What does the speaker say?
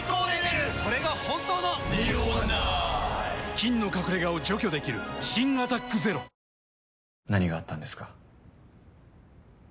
菌の隠れ家を除去できる新「アタックＺＥＲＯ」何があったんですか？